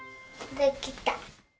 できた。